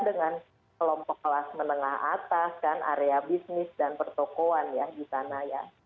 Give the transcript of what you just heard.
dengan kelompok kelas menengah atas kan area bisnis dan pertokohan ya di sana ya